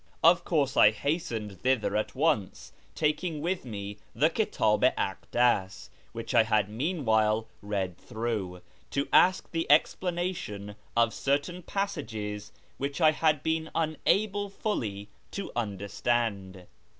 Of course I hastened thither at once, taking with me the Kitdh i Akdas (which I had meanwhile read through) to ask the explanation of certain passages which I had been unable fully to understand.